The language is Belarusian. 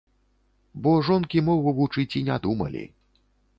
Бо жонкі мову вучыць і не думалі.